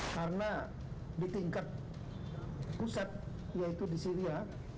karena di tingkat pusat yaitu di syria